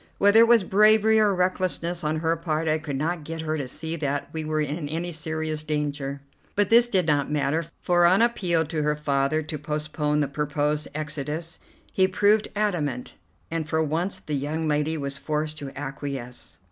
Whether it was bravery or recklessness on her part, I could not get her to see that we were in any serious danger; but this did not matter, for on appeal to her father to postpone the proposed exodus he proved adamant, and for once the young lady was forced to acquiesce.